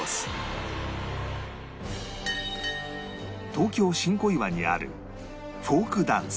東京新小岩にあるフォークダンス